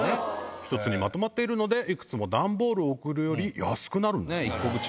１つにまとまっているので、いくつも段ボールを送るより安くなるんですね。